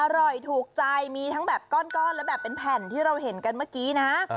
ถูกใจมีทั้งแบบก้อนและแบบเป็นแผ่นที่เราเห็นกันเมื่อกี้นะ